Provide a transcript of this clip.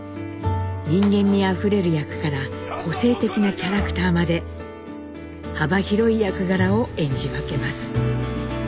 人間味あふれる役から個性的なキャラクターまで幅広い役柄を演じ分けます。